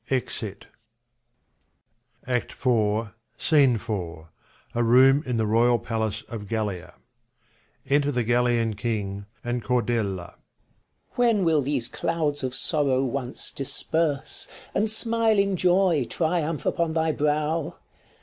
SCENE IV. A room in the royal palace of Gallia. Enter the Gallian king, and Cordelia. King. When will these clouds of sorrow once disperse, And smiling joy triumph upon thy brow